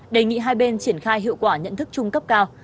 đề nghị hai bên triển khai hiệu quả nhận thức chung cấp cao